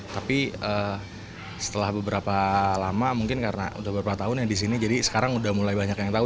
tapi setelah beberapa lama mungkin karena sudah beberapa tahun yang di sini jadi sekarang sudah mulai banyak yang tahu